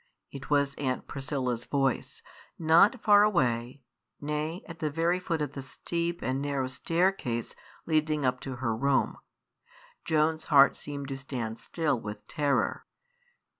It was Aunt Priscilla's voice, not far away, nay, at the very foot of the steep and narrow staircase leading up to her room. Joan's heart seemed to stand still with terror.